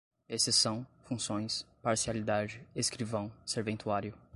exceção, funções, parcialidade, escrivão, serventuário